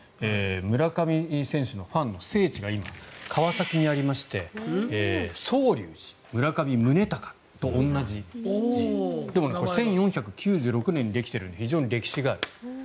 村上選手のファンの聖地が今、川崎にありまして宗隆寺村上宗隆と同じ字でも１４９６年にできているので非常に歴史があると。